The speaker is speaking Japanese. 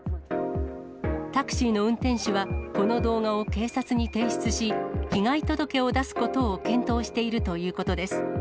タクシーの運転手は、この動画を警察に提出し、被害届を出すことを検討しているということです。